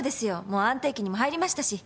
もう安定期にも入りましたし。